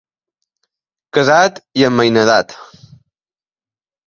Casat i emmainadat.